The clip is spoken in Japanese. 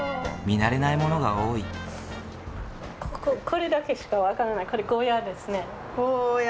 これだけしか分からない。